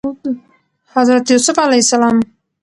حضرت يوسف ع